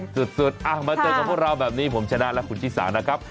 สุดมาเจอกับพวกเราแบบนี้ผมชนะและคุณชิสานะครับ